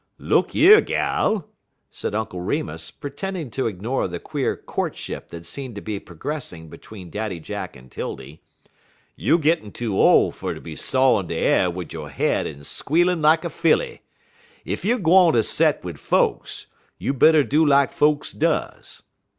"Look yer, gal!" said Uncle Remus, pretending to ignore the queer courtship that seemed to be progressing between Daddy Jack and 'Tildy, "you gittin' too ole fer ter be sawin' de a'r wid yo 'head en squealin' lak a filly. Ef you gwine ter set wid folks, you better do lak folks does.